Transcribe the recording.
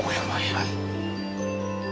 はい。